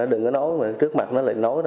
em ngửa nói trước mặt nó lại nói